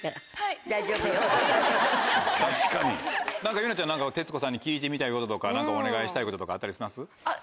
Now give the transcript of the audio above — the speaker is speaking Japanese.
ＹＵＮＡちゃん何か徹子さんに聞いてみたいこととか何かお願いしたいこととかあったりします？